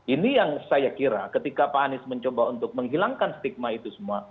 ini yang saya kira ketika pak anies mencoba untuk menghilangkan stigma itu semua